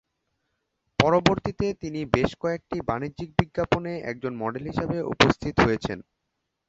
পরবর্তীতে তিনি বেশ কয়েকটি বাণিজ্যিক বিজ্ঞাপনে একজন মডেল হিসেবে উপস্থিত হয়েছেন।